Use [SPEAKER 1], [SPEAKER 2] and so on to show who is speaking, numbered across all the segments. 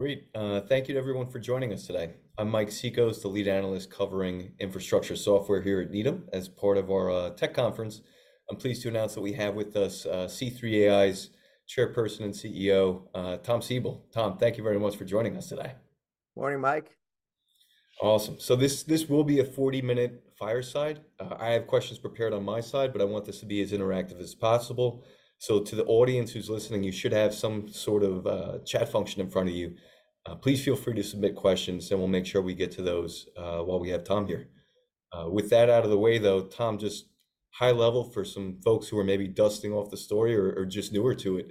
[SPEAKER 1] Great. Thank you to everyone for joining us today. I'm Mike Cikos, the lead analyst covering infrastructure software here at Needham. As part of our tech conference, I'm pleased to announce that we have with us, C3 AI's Chairperson and CEO, Tom Siebel. Tom, thank you very much for joining us today.
[SPEAKER 2] Morning, Mike.
[SPEAKER 1] Awesome. So this, this will be a 40-minute fireside. I have questions prepared on my side, but I want this to be as interactive as possible. So to the audience who's listening, you should have some sort of chat function in front of you. Please feel free to submit questions, and we'll make sure we get to those while we have Tom here. With that out of the way, though, Tom, just high level for some folks who are maybe dusting off the story or just newer to it,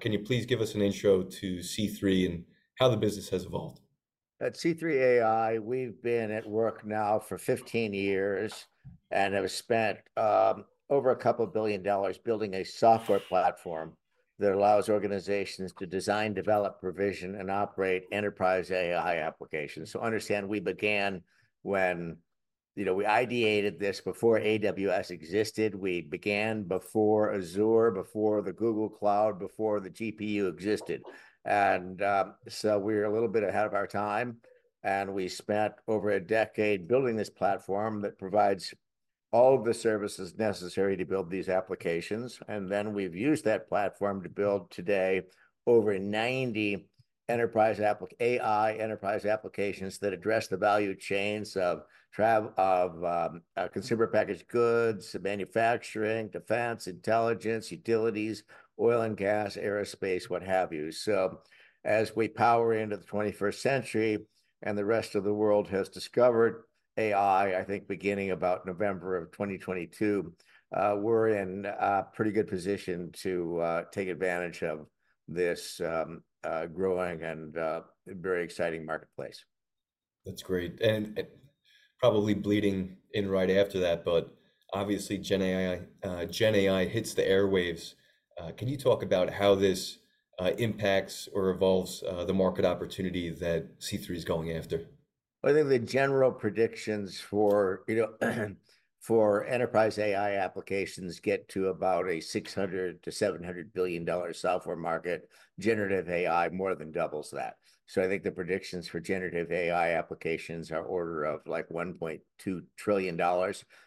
[SPEAKER 1] can you please give us an intro to C3 and how the business has evolved?
[SPEAKER 2] At C3 AI, we've been at work now for 15 years and have spent over couple of billion dollars building a software platform that allows organizations to design, develop, provision, and operate enterprise AI applications. So understand, we began when, you know, we ideated this before AWS existed. We began before Azure, before the Google Cloud, before the GPU existed, and so we're a little bit ahead of our time, and we spent over a decade building this platform that provides all of the services necessary to build these applications. And then we've used that platform to build, today, over 90 AI enterprise applications that address the value chains of consumer packaged goods, manufacturing, defense, intelligence, utilities, oil and gas, aerospace, what have you. So as we power into the 21st century and the rest of the world has discovered AI, I think beginning about November of 2022, we're in a pretty good position to take advantage of this growing and very exciting marketplace.
[SPEAKER 1] That's great, and probably bleeding in right after that, but obviously GenAI, GenAI hits the airwaves. Can you talk about how this impacts or evolves the market opportunity that C3 is going after?
[SPEAKER 2] I think the general predictions for, you know, for enterprise AI applications get to about a $600 billion-$700 billion software market. Generative AI more than doubles that. So I think the predictions for generative AI applications are order of, like, $1.2 trillion.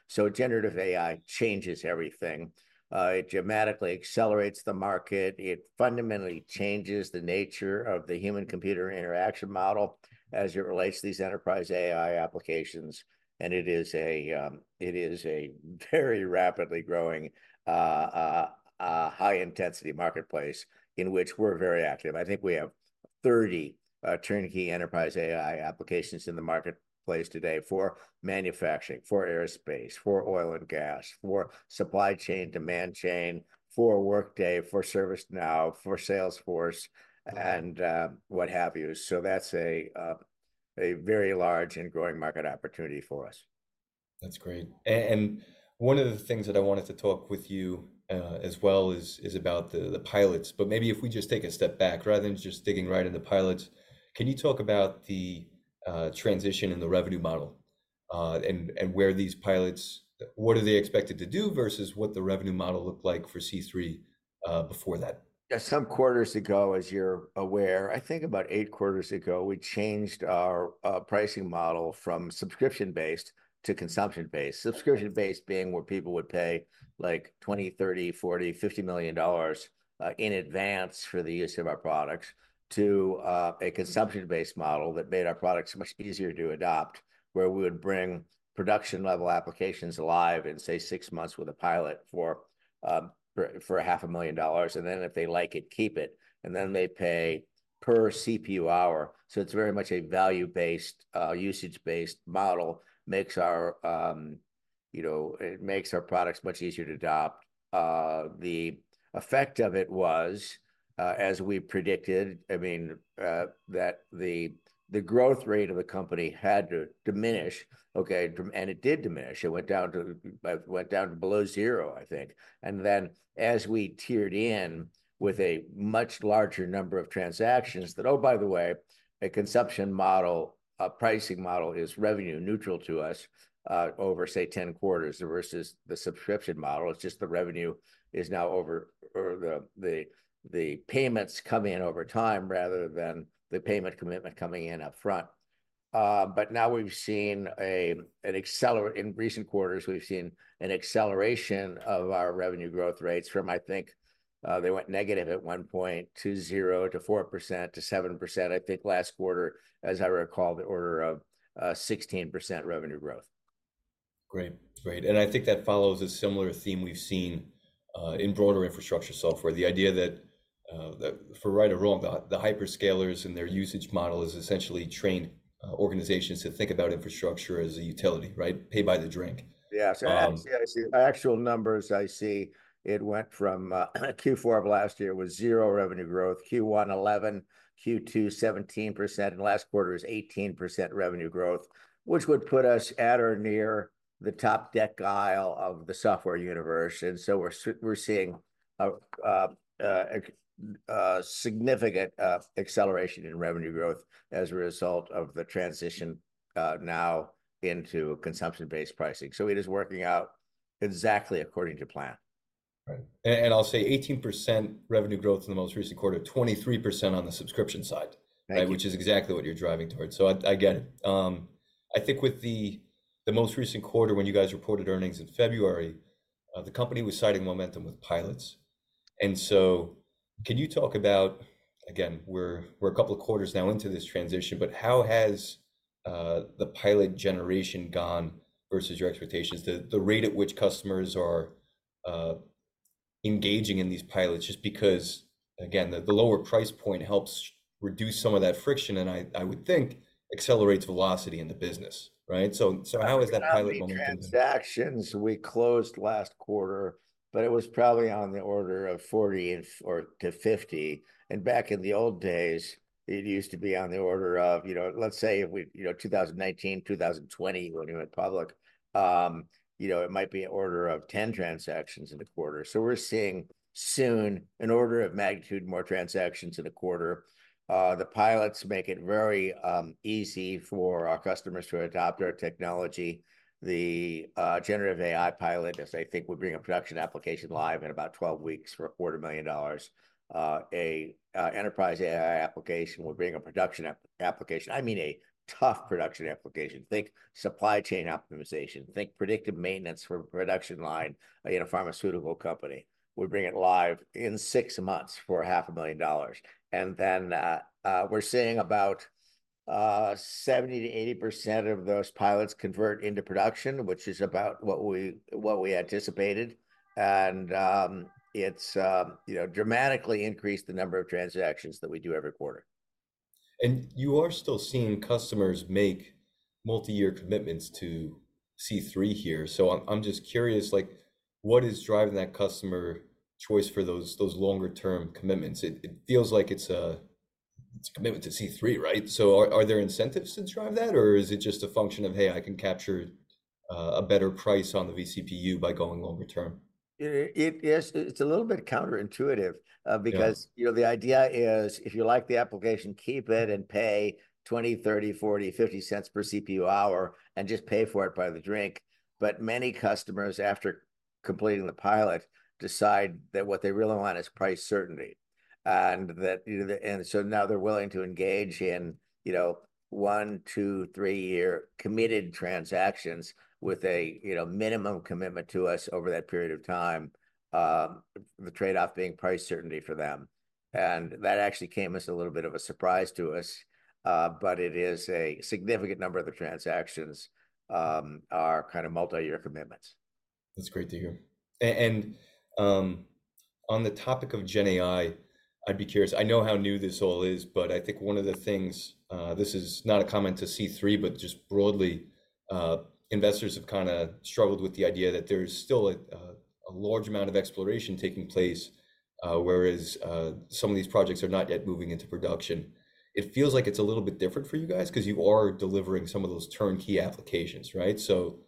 [SPEAKER 2] So generative AI changes everything. It dramatically accelerates the market. It fundamentally changes the nature of the human-computer interaction model as it relates to these enterprise AI applications, and it is a very rapidly growing, a high-intensity marketplace in which we're very active. I think we have 30 turnkey enterprise AI applications in the marketplace today for manufacturing, for aerospace, for oil and gas, for supply chain, demand chain, for Workday, for ServiceNow, for Salesforce, and what have you. So that's a very large and growing market opportunity for us.
[SPEAKER 1] That's great. And one of the things that I wanted to talk with you, as well, is about the pilots, but maybe if we just take a step back, rather than just digging right into pilots, can you talk about the transition in the revenue model, and where these pilots... What are they expected to do versus what the revenue model looked like for C3 before that?
[SPEAKER 2] Yeah. Some quarters ago, as you're aware, I think about eight quarters ago, we changed our pricing model from subscription-based to consumption-based, subscription-based being where people would pay like $20 million, $30 million, $40 million, $50 million in advance for the use of our products, to a consumption-based model that made our products much easier to adopt, where we would bring production-level applications alive in, say, six months with a pilot for $500,000, and then if they like it, keep it, and then they pay per CPU hour. So it's very much a value-based usage-based model. Makes our, you know, it makes our products much easier to adopt. The effect of it was, as we predicted, I mean, that the growth rate of the company had to diminish, okay, and it did diminish. It went down to, went down to below zero, I think, and then as we tiered in with a much larger number of transactions that oh, by the way, a consumption model, a pricing model is revenue neutral to us, over, say, 10 quarters versus the subscription model. It's just the revenue is now over, or the payments come in over time rather than the payment commitment coming in upfront. But now we've seen an acceleration in recent quarters, we've seen an acceleration of our revenue growth rates from, I think, they went negative at one point to zero, to 4%, to 7%. I think last quarter, as I recall, the order of 16% revenue growth.
[SPEAKER 1] Great, great, and I think that follows a similar theme we've seen in broader infrastructure software. The idea that, that for right or wrong, the hyperscalers and their usage model has essentially trained organizations to think about infrastructure as a utility, right? Pay by the drink.
[SPEAKER 2] Yeah.
[SPEAKER 1] Um-
[SPEAKER 2] So the actual numbers I see, it went from Q4 of last year was 0% revenue growth, Q1 11%, Q2 17%, and last quarter was 18% revenue growth, which would put us at or near the top decile of the software universe. And so we're seeing a significant acceleration in revenue growth as a result of the transition now into consumption-based pricing. So it is working out exactly according to plan....
[SPEAKER 1] Right. And I'll say 18% revenue growth in the most recent quarter, 23% on the subscription side-
[SPEAKER 2] Right.
[SPEAKER 1] -which is exactly what you're driving towards. So I, I get it. I think with the, the most recent quarter, when you guys reported earnings in February, the company was citing momentum with pilots. And so, can you talk about, again, we're, we're a couple of quarters now into this transition, but how has the pilot generation gone versus your expectations? The, the rate at which customers are engaging in these pilots, just because, again, the, the lower price point helps reduce some of that friction, and I, I would think accelerates velocity in the business, right? So, so how has that pilot momentum-
[SPEAKER 2] There were 90 transactions we closed last quarter, but it was probably on the order of 40 or so to 50. Back in the old days, it used to be on the order of, you know, let's say we, you know, 2019, 2020, when we went public, you know, it might be an order of 10 transactions in a quarter. So we're seeing soon an order of magnitude more transactions in a quarter. The pilots make it very easy for our customers to adopt our technology. The generative AI pilot, as I think, we're bringing a production application live in about 12 weeks for $250,000. An enterprise AI application, we're bringing a production application. I mean, a tough production application. Think supply chain optimization, think predictive maintenance for production line in a pharmaceutical company. We're bringing it live in six months for $500,000, and then, we're seeing about 70%-80% of those pilots convert into production, which is about what we anticipated. It's, you know, dramatically increased the number of transactions that we do every quarter.
[SPEAKER 1] You are still seeing customers make multi-year commitments to C3 here. So I'm just curious, like, what is driving that customer choice for those longer term commitments? It feels like it's a commitment to C3, right? So are there incentives to drive that, or is it just a function of, "Hey, I can capture a better price on the vCPU by going longer term?
[SPEAKER 2] Yes, it's a little bit counterintuitive.
[SPEAKER 1] Yeah...
[SPEAKER 2] because, you know, the idea is, if you like the application, keep it and pay $0.20-$0.50 per CPU hour and just pay for it by the drink. But many customers, after completing the pilot, decide that what they really want is price certainty, and that, you know, the-- and so now they're willing to engage in, you know, one-, two-, three-year committed transactions with a, you know, minimum commitment to us over that period of time. The trade-off being price certainty for them, and that actually came as a little bit of a surprise to us. But it is a significant number of the transactions are kind of multi-year commitments.
[SPEAKER 1] That's great to hear. And, on the topic of GenAI, I'd be curious. I know how new this all is, but I think one of the things, this is not a comment to C3, but just broadly, investors have kinda struggled with the idea that there's still a large amount of exploration taking place. Whereas, some of these projects are not yet moving into production. It feels like it's a little bit different for you guys because you are delivering some of those turnkey applications, right? So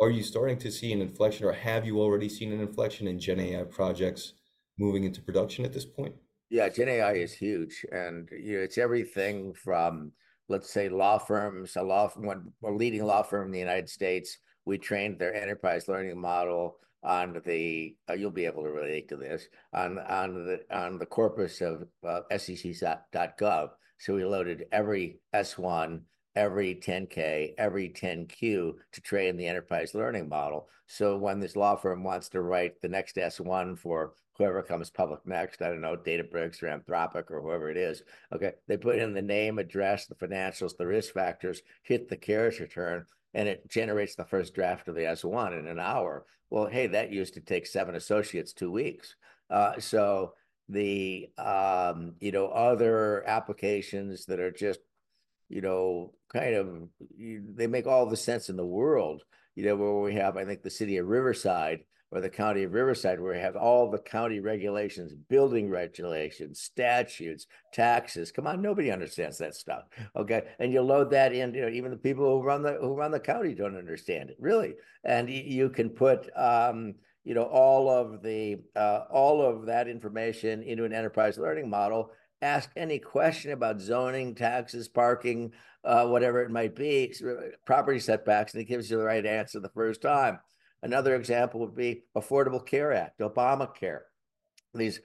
[SPEAKER 1] are you starting to see an inflection, or have you already seen an inflection in GenAI projects moving into production at this point?
[SPEAKER 2] Yeah, GenAI is huge, and, you know, it's everything from, let's say, law firms. A law firm, a leading law firm in the United States, we trained their Enterprise Learning Model on the... You'll be able to relate to this. On the corpus of SEC.gov. So we loaded every S-1, every 10-K, every 10-Q, to train the Enterprise Learning Model. So when this law firm wants to write the next S-1 for whoever comes public next, I don't know, Databricks or Anthropic or whoever it is, okay? They put in the name, address, the financials, the risk factors, hit the carriage return, and it generates the first draft of the S-1 in an hour. Well, hey, that used to take seven associates two weeks. So the, you know, other applications that are just, you know, kind of, they make all the sense in the world. You know, where we have, I think, the city of Riverside or the county of Riverside, where we have all the county regulations, building regulations, statutes, taxes. Come on, nobody understands that stuff, okay? And you load that in, you know, even the people who run the county don't understand it, really. And you can put, you know, all of the, all of that information into an Enterprise Learning Model. Ask any question about zoning, taxes, parking, whatever it might be, property setbacks, and it gives you the right answer the first time. Another example would be Affordable Care Act, Obamacare. These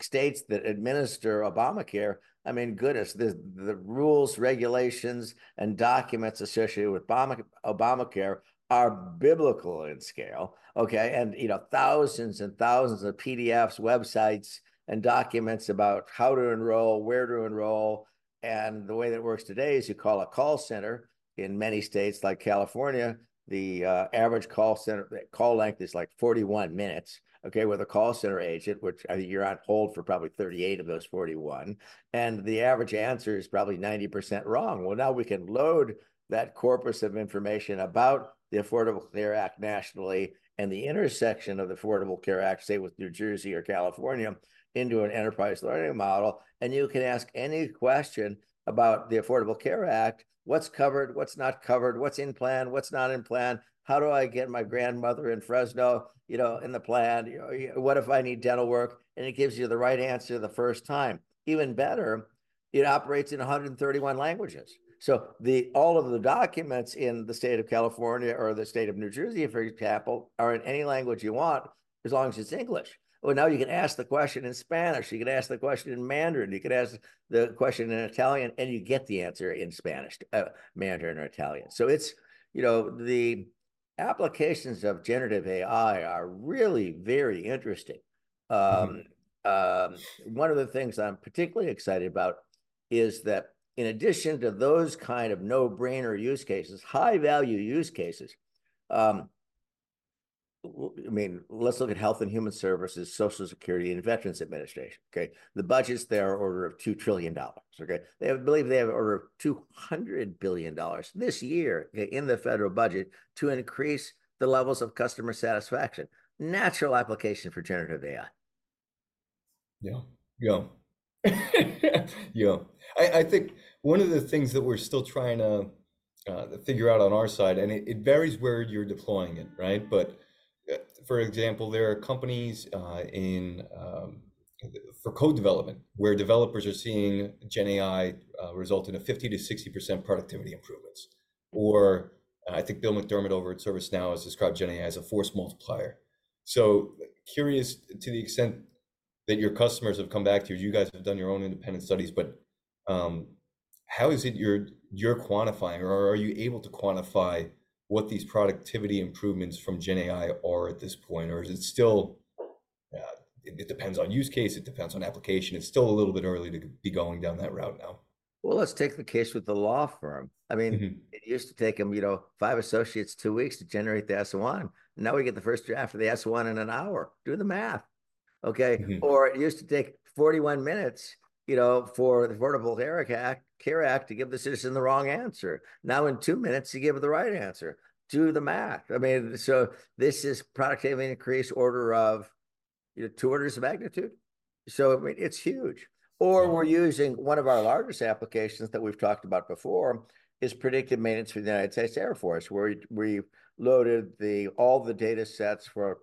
[SPEAKER 2] states that administer Obamacare, I mean, goodness, the rules, regulations, and documents associated with Obamacare are biblical in scale, okay? And, you know, thousands and thousands of PDFs, websites, and documents about how to enroll, where to enroll, and the way that it works today is you call a call center. In many states, like California, the average call center call length is, like, 41 minutes, okay, with a call center agent, which I think you're on hold for probably 38 of those 41, and the average answer is probably 90% wrong. Well, now we can load that corpus of information about the Affordable Care Act nationally and the intersection of the Affordable Care Act, say, with New Jersey or California, into an Enterprise Learning Model, and you can ask any question about the Affordable Care Act. What's covered? What's not covered? What's in plan? What's not in plan? How do I get my grandmother in Fresno, you know, in the plan? You know, what if I need dental work? And it gives you the right answer the first time. Even better, it operates in 131 languages. So the, all of the documents in the state of California or the state of New Jersey, for example, are in any language you want, as long as it's English. Well, now you can ask the question in Spanish, you can ask the question in Mandarin, you can ask the question in Italian, and you get the answer in Spanish, Mandarin, or Italian. So it's, you know, the applications of generative AI are really very interesting. One of the things I'm particularly excited about is that in addition to those kind of no-brainer use cases, high-value use cases, I mean, let's look at Health and Human Services, Social Security, and Veterans Administration, okay? The budgets there are order of $2 trillion, okay? They have, I believe they have an order of $200 billion this year, okay, in the federal budget, to increase the levels of customer satisfaction. Natural application for generative AI.
[SPEAKER 1] Yeah, yeah. Yeah. I, I think one of the things that we're still trying to figure out on our side, and it, it varies where you're deploying it, right? But, for example, there are companies in for code development, where developers are seeing GenAI result in a 50%-60% productivity improvements. Or, and I think Bill McDermott, over at ServiceNow, has described GenAI as a force multiplier. So curious, to the extent that your customers have come back to you, you guys have done your own independent studies, but, how is it you're, you're quantifying, or are you able to quantify what these productivity improvements from GenAI are at this point? Or is it still, it depends on use case, it depends on application, it's still a little bit early to be going down that route now?
[SPEAKER 2] Well, let's take the case with the law firm.
[SPEAKER 1] Mm-hmm.
[SPEAKER 2] I mean, it used to take them, you know, five associates two weeks to generate the S-1. Now we get the first draft of the S-1 in an hour. Do the math, okay?
[SPEAKER 1] Mm-hmm.
[SPEAKER 2] Or it used to take 41 minutes, you know, for the Affordable Care Act, Care Act to give the citizen the wrong answer. Now, in two minutes, you give the right answer. Do the math. I mean, so this is productivity increase order of, you know, two orders of magnitude. So, I mean, it's huge.
[SPEAKER 1] Yeah.
[SPEAKER 2] Or we're using one of our largest applications that we've talked about before, is predictive maintenance for the United States Air Force, where we loaded all the datasets for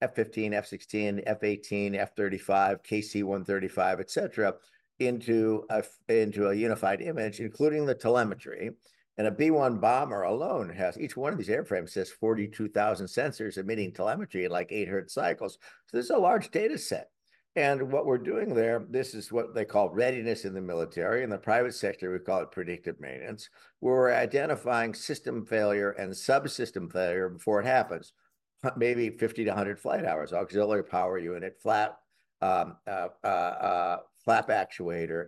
[SPEAKER 2] F-15, F-16, F-18, F-35, KC-135, et cetera, into a unified image, including the telemetry. And a B-1 bomber alone has; each one of these airframes has 42,000 sensors emitting telemetry in, like, 8-Hz cycles. So this is a large dataset, and what we're doing there, this is what they call readiness in the military. In the private sector, we call it predictive maintenance, where we're identifying system failure and subsystem failure before it happens, maybe 50 to 100 flight hours. Auxiliary power unit, flap, flap actuator,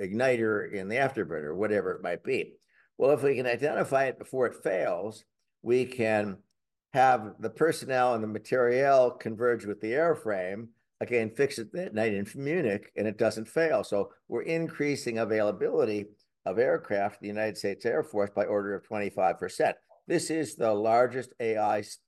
[SPEAKER 2] igniter in the afterburner, whatever it might be. Well, if we can identify it before it fails, we can have the personnel and the materiel converge with the airframe, again, fix it at night in Munich, and it doesn't fail. So we're increasing availability of aircraft for the United States Air Force by order of 25%. This is the largest AI system,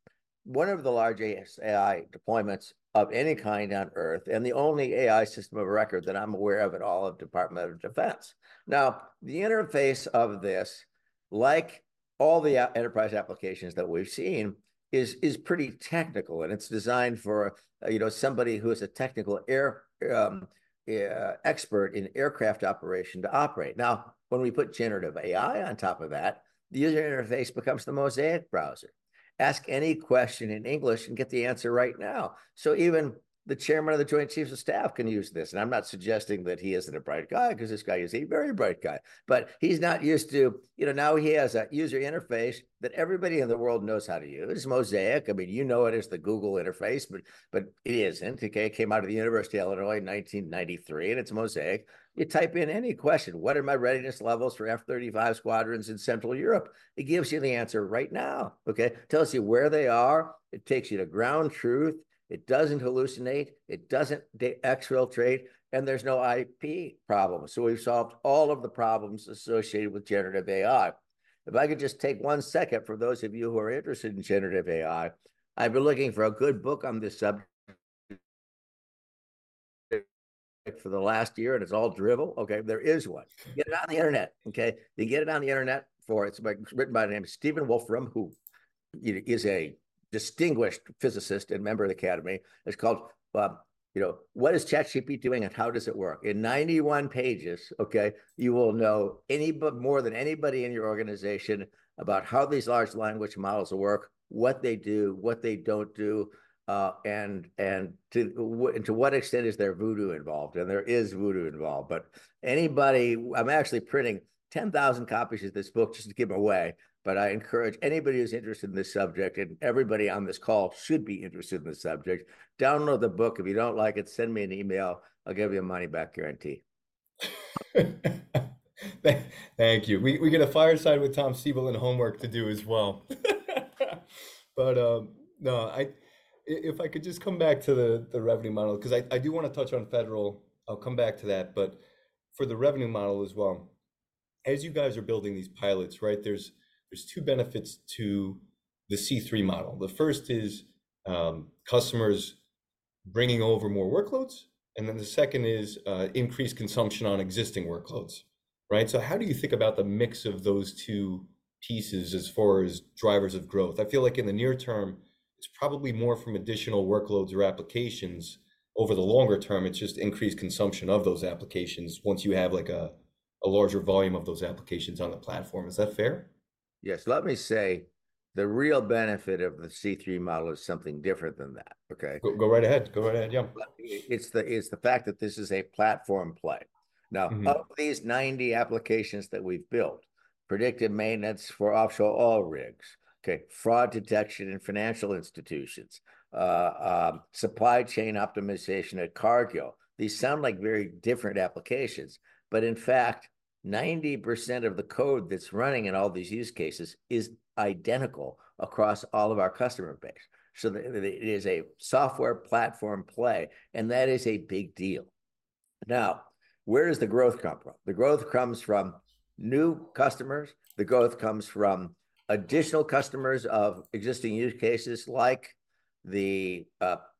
[SPEAKER 2] one of the largest AI deployments of any kind on Earth, and the only AI system of record that I'm aware of in all of the Department of Defense. Now, the interface of this, like all the enterprise applications that we've seen, is pretty technical, and it's designed for, you know, somebody who is a technical aircraft expert in aircraft operation to operate. Now, when we put generative AI on top of that, the user interface becomes the Mosaic browser. Ask any question in English and get the answer right now. So even the Chairman of the Joint Chiefs of Staff can use this, and I'm not suggesting that he isn't a bright guy, 'cause this guy is a very bright guy, but he's not used to... You know, now he has a user interface that everybody in the world knows how to use. Mosaic, I mean, you know it as the Google interface, but, but it isn't, okay? It came out of the University of Illinois in 1993, and it's Mosaic. You type in any question: What are my readiness levels for F-35 squadrons in Central Europe? It gives you the answer right now, okay? Tells you where they are. It takes you to ground truth. It doesn't hallucinate, it doesn't exfiltrate, and there's no IP problem. So we've solved all of the problems associated with generative AI. If I could just take one second, for those of you who are interested in generative AI, I've been looking for a good book on this subject for the last year, and it's all drivel, okay? There is one. Get it on the internet, okay? You get it on the internet for—it's by, written by the name of Stephen Wolfram, who, you know, is a distinguished physicist and member of the Academy. It's called, you know, What is ChatGPT Doing and How Does It Work? In 91 pages, okay, you will know more than anybody in your organization about how these large language models work, what they do, what they don't do, and to what extent is there voodoo involved, and there is voodoo involved. But anybody... I'm actually printing 10,000 copies of this book just to give away, but I encourage anybody who's interested in this subject, and everybody on this call should be interested in the subject. Download the book. If you don't like it, send me an email. I'll give you a money-back guarantee.
[SPEAKER 1] Thank you. We get a fireside with Tom Siebel and homework to do as well. But no, if I could just come back to the revenue model, 'cause I do wanna touch on federal. I'll come back to that. But for the revenue model as well as you guys are building these pilots, right, there's two benefits to the C3 model. The first is, customers bringing over more workloads, and then the second is, increased consumption on existing workloads. Right, so how do you think about the mix of those two pieces as far as drivers of growth? I feel like in the near term, it's probably more from additional workloads or applications. Over the longer term, it's just increased consumption of those applications once you have like a larger volume of those applications on the platform. Is that fair?
[SPEAKER 2] Yes. Let me say, the real benefit of the C3 model is something different than that, okay?
[SPEAKER 1] Go, go right ahead. Go right ahead, yeah.
[SPEAKER 2] It's the fact that this is a platform play.
[SPEAKER 1] Mm-hmm.
[SPEAKER 2] Now, of these 90 applications that we've built, predictive maintenance for offshore oil rigs, okay? Fraud detection in financial institutions, supply chain optimization at Cargill. These sound like very different applications, but in fact, 90% of the code that's running in all these use cases is identical across all of our customer base. So it is a software platform play, and that is a big deal. Now, where does the growth come from? The growth comes from new customers. The growth comes from additional customers of existing use cases, like the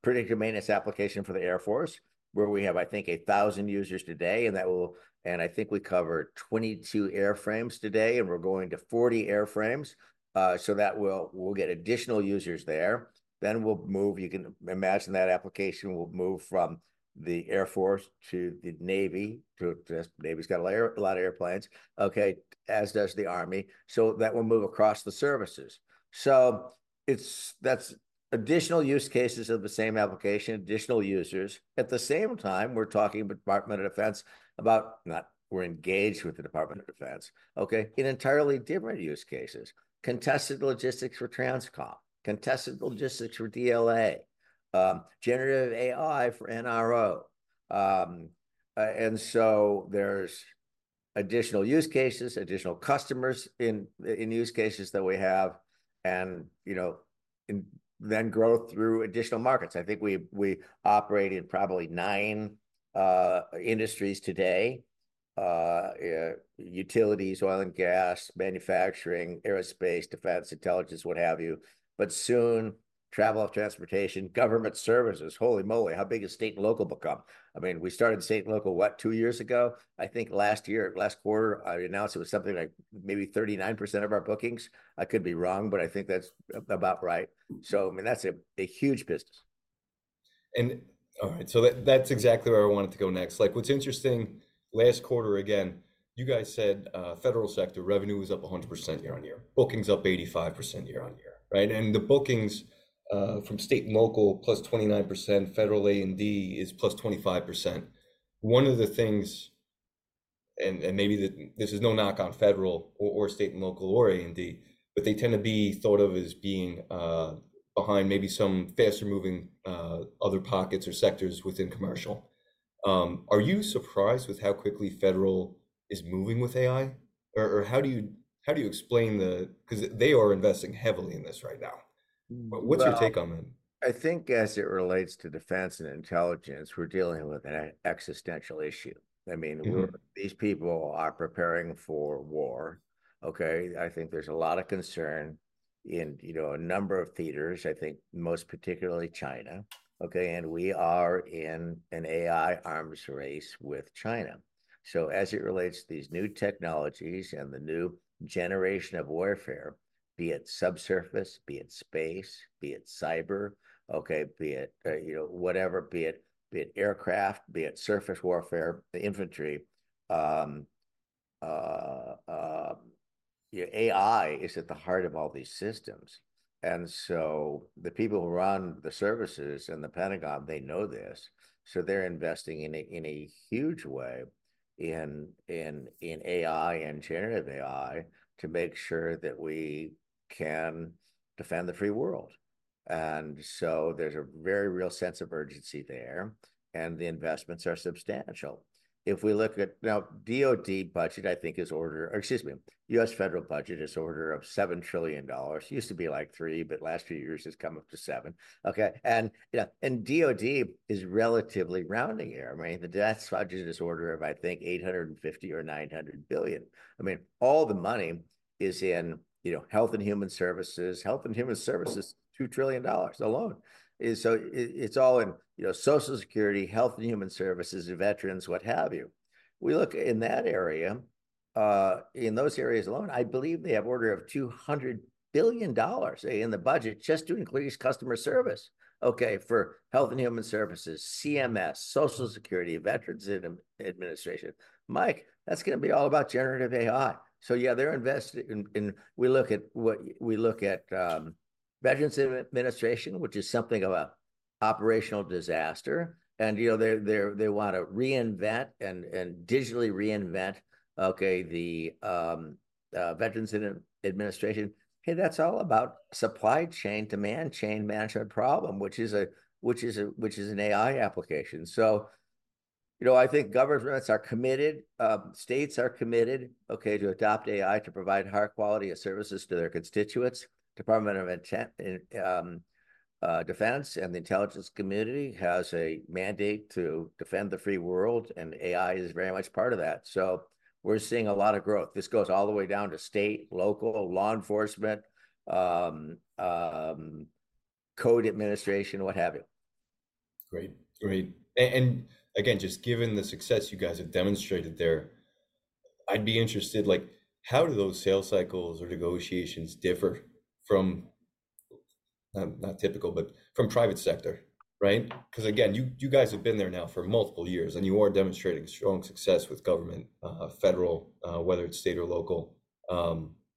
[SPEAKER 2] predictive maintenance application for the Air Force, where we have, I think, 1,000 users today, and that will, and I think we cover 22 airframes today, and we're going to 40 airframes. So that will, we'll get additional users there, then we'll move... You can imagine that application will move from the Air Force to the Navy, the Navy's got a lot of airplanes, okay, as does the Army. So that will move across the services. So it's that's additional use cases of the same application, additional users. At the same time, we're engaged with the Department of Defense, okay, in entirely different use cases. Contested logistics for TRANSCOM, contested logistics for DLA, generative AI for NRO. And so there's additional use cases, additional customers in use cases that we have and, you know, and then growth through additional markets. I think we operate in probably nine industries today. Yeah, utilities, oil and gas, manufacturing, aerospace, defense, intelligence, what have you. But soon, travel and transportation, government services, holy moly! How big has state and local become? I mean, we started state and local, what, two years ago? I think last year, last quarter, I announced it was something like maybe 39% of our bookings. I could be wrong, but I think that's about right. So, I mean, that's a huge business.
[SPEAKER 1] Alright, so that's exactly where I wanted to go next. Like, what's interesting, last quarter, again, you guys said federal sector revenue was up 100% year-on-year. Bookings up 85% year-on-year, right? And the bookings from state and local +29%, federal A&D is +25%. One of the things, and maybe this is no knock on federal or state and local or A&D, but they tend to be thought of as being behind maybe some faster-moving other pockets or sectors within commercial. Are you surprised with how quickly federal is moving with AI, or how do you explain the... 'Cause they are investing heavily in this right now.
[SPEAKER 2] Well-
[SPEAKER 1] What's your take on that?
[SPEAKER 2] I think as it relates to defense and intelligence, we're dealing with an existential issue.
[SPEAKER 1] Mm-hmm.
[SPEAKER 2] I mean, these people are preparing for war, okay? I think there's a lot of concern in, you know, a number of theaters. I think most particularly China, okay, and we are in an AI arms race with China. So as it relates to these new technologies and the new generation of warfare, be it subsurface, be it space, be it cyber, okay, be it, you know, whatever, be it, be it aircraft, be it surface warfare, the infantry, yeah, AI is at the heart of all these systems. And so the people who run the services and the Pentagon, they know this, so they're investing in a huge way in AI and generative AI to make sure that we can defend the free world. And so there's a very real sense of urgency there, and the investments are substantial. If we look at now, DoD budget, I think is order. Or excuse me, U.S. federal budget is order of $7 trillion. Used to be, like, $3 trillion, but last few years, it's come up to $7 trillion. Okay, and, you know, and DoD is relatively rounding error. I mean, the defense budget is order of, I think, $850 billion or $900 billion. I mean, all the money is in, you know, health and human services. Health and human services, $2 trillion alone. So it's all in, you know, Social Security, health and human services, veterans, what have you. We look in that area, in those areas alone, I believe they have order of $200 billion in the budget just to increase customer service. Okay, for health and human services, CMS, Social Security, Veterans Administration. Mike, that's gonna be all about generative AI. So yeah, they're investing in what we look at, Veterans Administration, which is something of a operational disaster, and, you know, they want to reinvent and digitally reinvent, okay, the Veterans Administration. Hey, that's all about supply chain, demand chain management problem, which is an AI application. So, you know, I think governments are committed, states are committed, okay, to adopt AI to provide higher quality of services to their constituents. Department of Defense and the intelligence community has a mandate to defend the free world, and AI is very much part of that, so we're seeing a lot of growth. This goes all the way down to state, local, law enforcement, code administration, what have you....
[SPEAKER 1] Great, great. And again, just given the success you guys have demonstrated there, I'd be interested, like, how do those sales cycles or negotiations differ from, not typical, but from private sector, right? 'Cause again, you guys have been there now for multiple years, and you are demonstrating strong success with government, federal, whether it's state or local.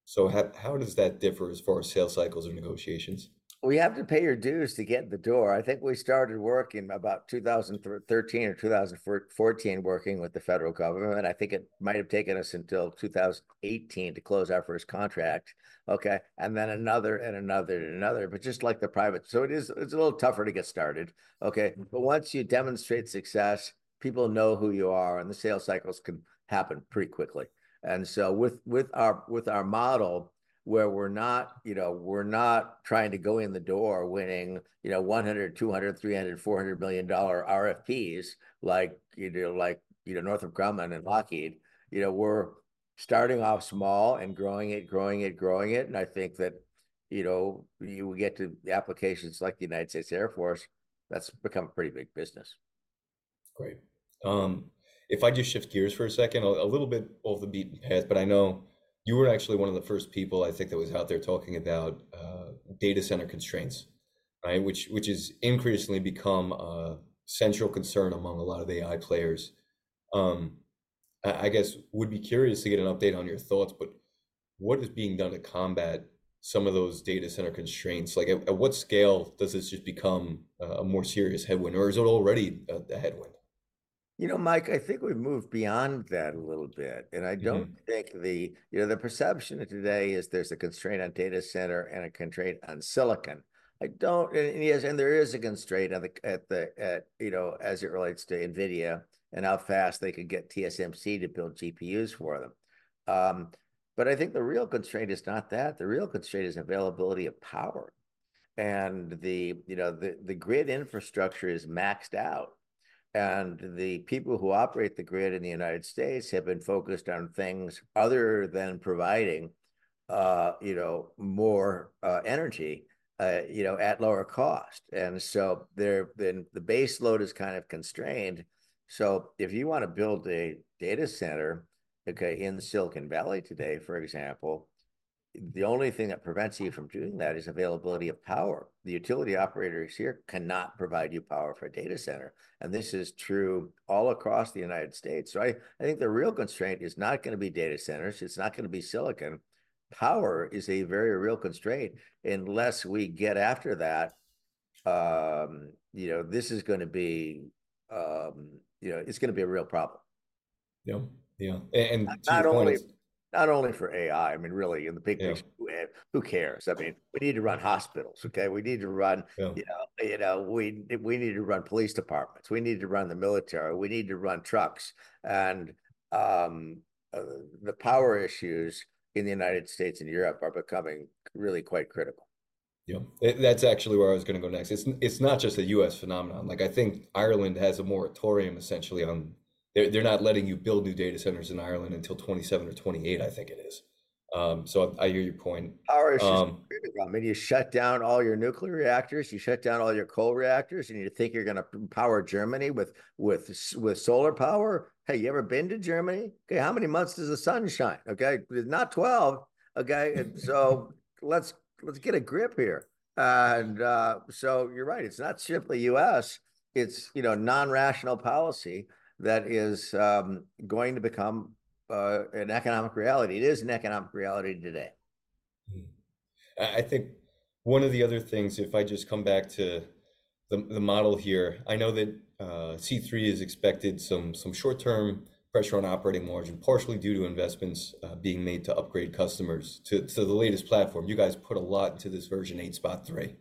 [SPEAKER 1] So how does that differ as far as sales cycles or negotiations?
[SPEAKER 2] Well, you have to pay your dues to get in the door. I think we started working about 2013 or 2014 working with the federal government. I think it might have taken us until 2018 to close our first contract. Okay, and then another, and another, and another, but just like the private. So it is, it's a little tougher to get started, okay? But once you demonstrate success, people know who you are, and the sales cycles can happen pretty quickly. And so with, with our, with our model, where we're not, you know, we're not trying to go in the door winning, you know, $100, $200, $300, $400 million RFPs, like, you know, like, you know, Northrop Grumman and Lockheed Martin. You know, we're starting off small and growing it, growing it, growing it, and I think that, you know, you will get to the applications like the United States Air Force, that's become a pretty big business.
[SPEAKER 1] Great. If I just shift gears for a second, a little bit off the beaten path, but I know you were actually one of the first people, I think, that was out there talking about data center constraints, right? Which has increasingly become a central concern among a lot of AI players. I guess would be curious to get an update on your thoughts, but what is being done to combat some of those data center constraints? Like at what scale does this just become a more serious headwind, or is it already a headwind?
[SPEAKER 2] You know, Mike, I think we've moved beyond that a little bit.
[SPEAKER 1] Mm-hmm.
[SPEAKER 2] I don't think the perception today is there's a constraint on data center and a constraint on silicon. You know, and yes, there is a constraint, you know, as it relates to NVIDIA and how fast they could get TSMC to build GPUs for them. But I think the real constraint is not that. The real constraint is availability of power, and, you know, the grid infrastructure is maxed out, and the people who operate the grid in the United States have been focused on things other than providing, you know, more energy, you know, at lower cost. And so, the base load is kind of constrained. So if you wanna build a data center, okay, in Silicon Valley today, for example, the only thing that prevents you from doing that is availability of power. The utility operators here cannot provide you power for a data center, and this is true all across the United States. So I think the real constraint is not gonna be data centers. It's not gonna be silicon. Power is a very real constraint. Unless we get after that, you know, this is gonna be, you know, it's gonna be a real problem.
[SPEAKER 1] Yeah, yeah, and to your point-
[SPEAKER 2] Not only, not only for AI, I mean, really, in the big picture-
[SPEAKER 1] Yeah...
[SPEAKER 2] who, who cares? I mean, we need to run hospitals, okay? We need to run-
[SPEAKER 1] Yeah...
[SPEAKER 2] you know, you know, we, we need to run police departments. We need to run the military. We need to run trucks, and the power issues in the United States and Europe are becoming really quite critical.
[SPEAKER 1] Yeah. That's actually where I was gonna go next. It's not just a U.S. phenomenon. Like, I think Ireland has a moratorium, essentially, on... They're not letting you build new data centers in Ireland until 2027 or 2028, I think it is. So I hear your point.
[SPEAKER 2] Ireland is just crazy. I mean, you shut down all your nuclear reactors, you shut down all your coal reactors, and you think you're gonna power Germany with solar power? Hey, you ever been to Germany? Okay, how many months does the sun shine? Okay, not 12, okay. So let's get a grip here. So you're right. It's not just the U.S., it's, you know, non-rational policy that is going to become an economic reality. It is an economic reality today.
[SPEAKER 1] I think one of the other things, if I just come back to the model here, I know that C3 has expected some short-term pressure on operating margin, partially due to investments being made to upgrade customers to the latest platform. You guys put a lot to this Version 8.3.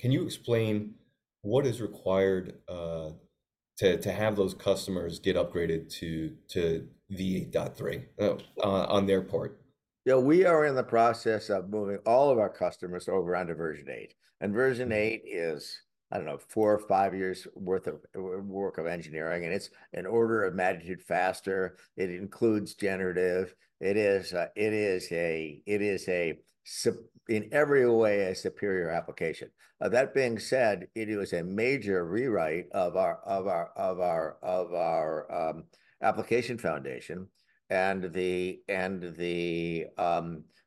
[SPEAKER 1] Can you explain what is required to have those customers get upgraded to V 8.3 on their part?
[SPEAKER 2] Yeah, we are in the process of moving all of our customers over onto Version 8. And Version 8 is, I don't know, four or five years' worth of work of engineering, and it's an order of magnitude faster. It includes generative. It is a superior application in every way. That being said, it was a major rewrite of our application foundation, and the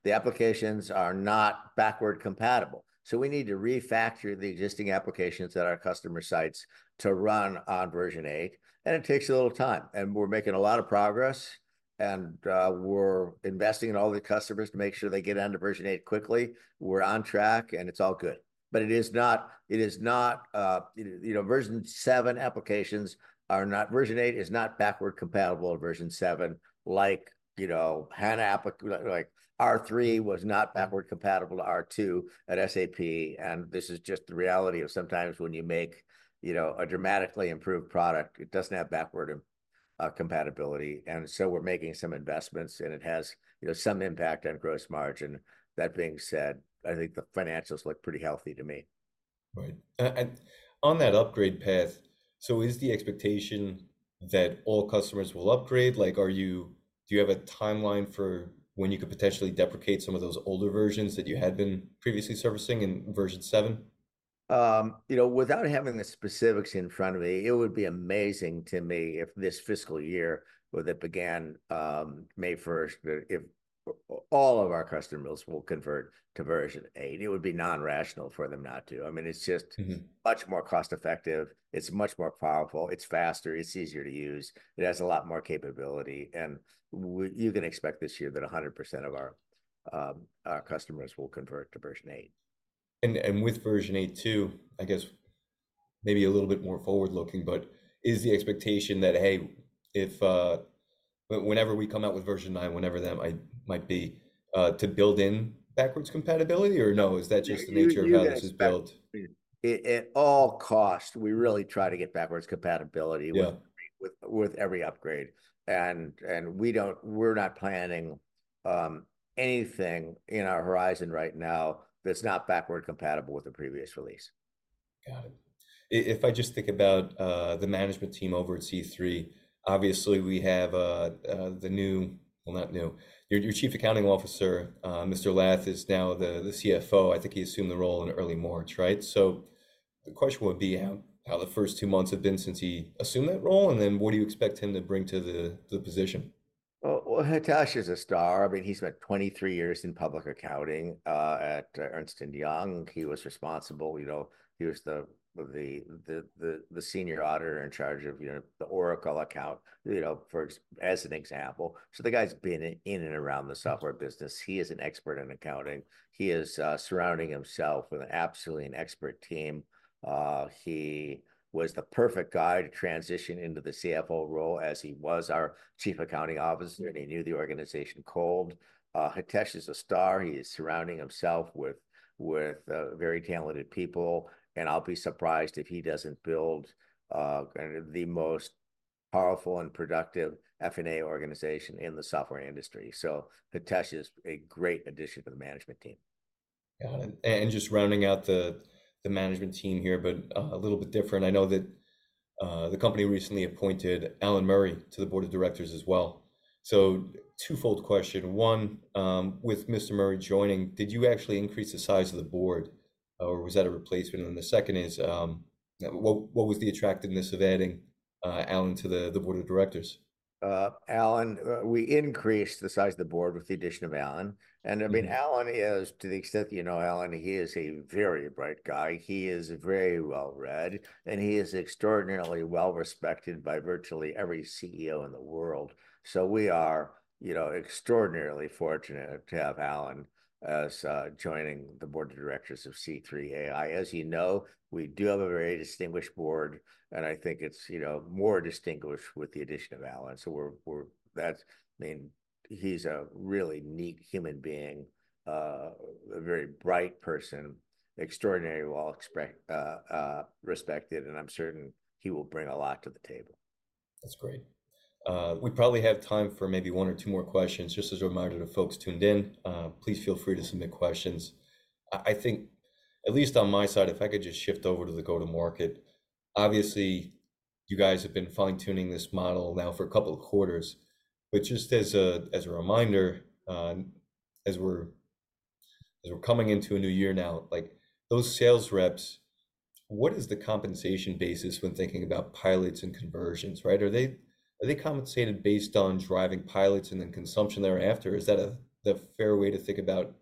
[SPEAKER 2] applications are not backward compatible. So we need to refactor the existing applications at our customer sites to run on Version 8, and it takes a little time, and we're making a lot of progress. And we're investing in all the customers to make sure they get onto Version 8 quickly. We're on track, and it's all good. But it is not, it is not, you know, Version 7 applications are not—Version 8 is not backward compatible with Version 7, like, you know, an app like, like R/3 was not backward compatible to R/2 at SAP. And this is just the reality of sometimes when you make, you know, a dramatically improved product, it doesn't have backward compatibility. And so we're making some investments, and it has, you know, some impact on gross margin. That being said, I think the financials look pretty healthy to me.
[SPEAKER 1] Right. On that upgrade path, so is the expectation that all customers will upgrade? Like, do you have a timeline for when you could potentially deprecate some of those older versions that you had been previously servicing in Version 7?
[SPEAKER 2] You know, without having the specifics in front of me, it would be amazing to me if this fiscal year, that began May 1st, that if all of our customers will convert to Version 8. It would be non-rational for them not to. I mean, it's just-
[SPEAKER 1] Mm-hmm
[SPEAKER 2] much more cost-effective, it's much more powerful, it's faster, it's easier to use, it has a lot more capability. And you can expect this year that 100% of our, our customers will convert to version eight.
[SPEAKER 1] With Version 8, too, I guess maybe a little bit more forward-looking, but is the expectation that, hey, if whenever we come out with Version 9, whenever that might be, to build in backwards compatibility or no? Is that just the nature of how this is built?
[SPEAKER 2] You can expect, at all cost, we really try to get backward compatibility-
[SPEAKER 1] Yeah
[SPEAKER 2] ...with every upgrade. And we're not planning anything in our horizon right now that's not backward compatible with the previous release.
[SPEAKER 1] Got it. If I just think about the management team over at C3, obviously, we have the new, well, not new, your Chief Accounting Officer, Mr. Lath, is now the CFO. I think he assumed the role in early March, right? So the question would be, how the first two months have been since he assumed that role, and then what do you expect him to bring to the position?
[SPEAKER 2] Well, well, Hitesh is a star. I mean, he spent 23 years in public accounting at Ernst & Young. He was responsible, you know, he was the senior auditor in charge of, you know, the Oracle account, you know, for example. So the guy's been in and around the software business. He is an expert in accounting. He is surrounding himself with absolutely an expert team. He was the perfect guy to transition into the CFO role as he was our chief accounting officer, and he knew the organization cold. Hitesh is a star. He is surrounding himself with very talented people, and I'll be surprised if he doesn't build the most powerful and productive F&A organization in the software industry. So Hitesh is a great addition to the management team.
[SPEAKER 1] Got it, and just rounding out the management team here, but a little bit different. I know that the company recently appointed Alan Murray to the board of directors as well. So twofold question: one, with Mr. Murray joining, did you actually increase the size of the board, or was that a replacement? And then the second is, what was the attractiveness of adding Alan to the board of directors?
[SPEAKER 2] Alan, we increased the size of the board with the addition of Alan.
[SPEAKER 1] Mm-hmm.
[SPEAKER 2] I mean, Alan is, to the extent that you know Alan, he is a very bright guy. He is very well-read, and he is extraordinarily well-respected by virtually every CEO in the world. So we are, you know, extraordinarily fortunate to have Alan as joining the board of directors of C3 AI. As you know, we do have a very distinguished board, and I think it's, you know, more distinguished with the addition of Alan. So we're, that's, I mean, he's a really neat human being, a very bright person, extraordinarily well-respected, and I'm certain he will bring a lot to the table.
[SPEAKER 1] That's great. We probably have time for maybe one or two more questions. Just as a reminder to folks tuned in, please feel free to submit questions. I think, at least on my side, if I could just shift over to the go-to-market. Obviously, you guys have been fine-tuning this model now for a couple of quarters. But just as a reminder, as we're coming into a new year now, like, those sales reps, what is the compensation basis when thinking about pilots and conversions, right? Are they compensated based on driving pilots and then consumption thereafter? Is that the fair way to think about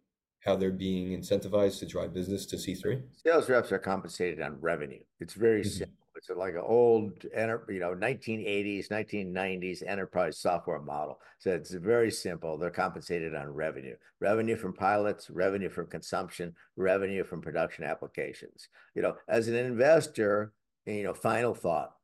[SPEAKER 1] how they're being incentivized to drive business to C3?
[SPEAKER 2] Sales reps are compensated on revenue. It's very simple.
[SPEAKER 1] Mm-hmm.
[SPEAKER 2] It's like an old enterprise—you know, 1980s, 1990s enterprise software model. So it's very simple. They're compensated on revenue. Revenue from pilots, revenue from consumption, revenue from production applications. You know, as an investor, you know, final thought,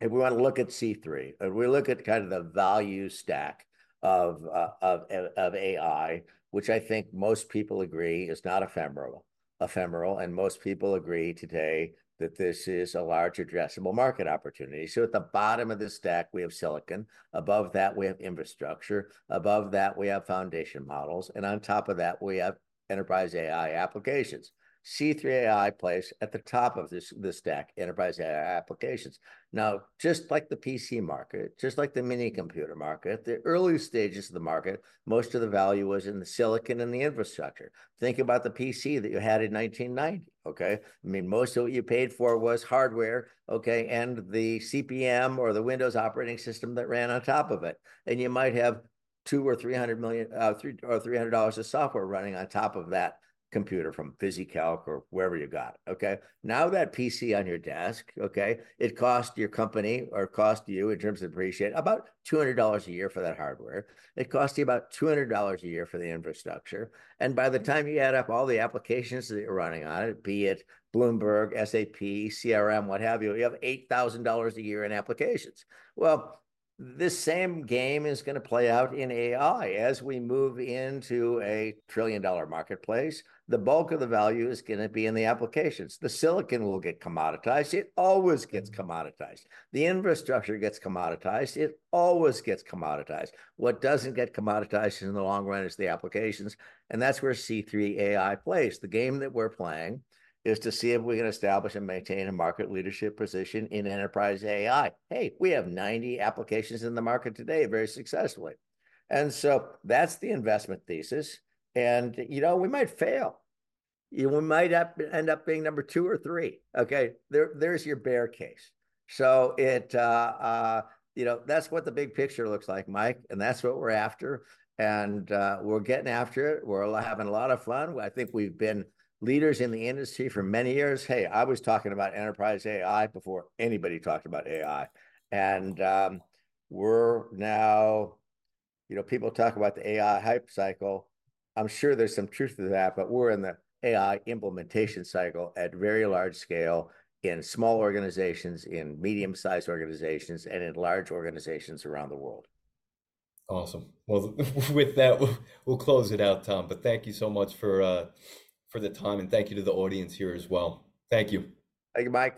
[SPEAKER 2] if we want to look at C3, if we look at kind of the value stack of of AI, which I think most people agree is not ephemeral, and most people agree today that this is a large addressable market opportunity. So at the bottom of this stack, we have silicon. Above that, we have infrastructure, above that, we have foundation models, and on top of that, we have enterprise AI applications. C3 AI plays at the top of this stack, enterprise AI applications. Now, just like the PC market, just like the mini computer market, the early stages of the market, most of the value was in the silicon and the infrastructure. Think about the PC that you had in 1990, okay? I mean, most of what you paid for was hardware, okay, and the CP/M or the Windows operating system that ran on top of it. And you might have 200 or 300 million, three, or $300 of software running on top of that computer from VisiCalc or wherever you got it, okay? Now, that PC on your desk, okay, it cost your company or cost you in terms of depreciation, about $200 a year for that hardware. It cost you about $200 a year for the infrastructure, and by the time you add up all the applications that you're running on it, be it Bloomberg, SAP, CRM, what have you, you have $8,000 a year in applications. Well, this same game is gonna play out in AI. As we move into a $1 trillion marketplace, the bulk of the value is gonna be in the applications. The silicon will get commoditized. It always gets commoditized. The infrastructure gets commoditized. It always gets commoditized. What doesn't get commoditized in the long run is the applications, and that's where C3 AI plays. The game that we're playing is to see if we can establish and maintain a market leadership position in enterprise AI. Hey, we have 90 applications in the market today, very successfully, and so that's the investment thesis, and, you know, we might fail. You know, we might end up, end up being number two or three. Okay, there, there's your bear case. So it, you know, that's what the big picture looks like, Mike, and that's what we're after, and we're getting after it. We're all having a lot of fun. I think we've been leaders in the industry for many years. Hey, I was talking about enterprise AI before anybody talked about AI, and we're now... You know, people talk about the AI hype cycle. I'm sure there's some truth to that, but we're in the AI implementation cycle at very large scale, in small organizations, in medium-sized organizations, and in large organizations around the world.
[SPEAKER 1] Awesome. Well, with that, we'll close it out, Tom, but thank you so much for the time, and thank you to the audience here as well. Thank you.
[SPEAKER 2] Thank you, Mike!